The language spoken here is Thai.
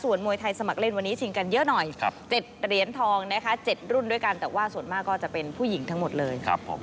มวยไทยสมัครเล่นวันนี้ชิงกันเยอะหน่อย๗เหรียญทองนะคะ๗รุ่นด้วยกันแต่ว่าส่วนมากก็จะเป็นผู้หญิงทั้งหมดเลย